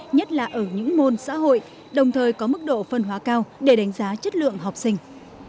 nhất là ở những môn xã hội đồng thời có mức độ phân hóa cao để đánh giá chất lượng học sinh